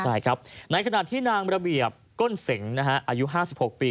ใช่ครับในขณะที่นางระเบียบก้นเสงอายุ๕๖ปี